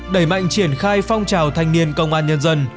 đẩy mạnh triển khai phong trào thanh niên công an nhân dân